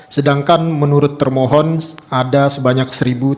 sedangkan menurut termohon ada sebanyak seribu tujuh ratus dua belas